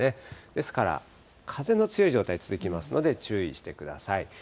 ですから、風の強い状態続きますので、注意してください。